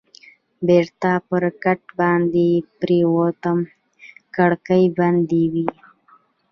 بېرته پر کټ باندې پرېوتم، کړکۍ بندې وې.